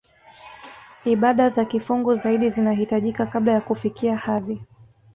Ibada za kifungu zaidi zinahitajika kabla ya kufikia hadhi